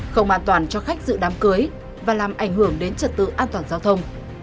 không an toàn cho khách dự đám cưới và làm ảnh hưởng đến trật tự an toàn giao thông